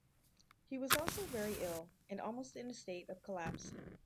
He was also very ill, and almost in a state of collapse.